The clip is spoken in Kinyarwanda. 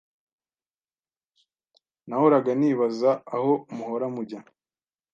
n'ahoraga nibaza aho muhora mujya